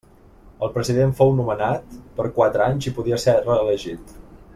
El president fou nomenat per quatre anys i podia ser reelegit.